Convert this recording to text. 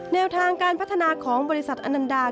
แนวทางการพัฒนาของบริษัทอนันดา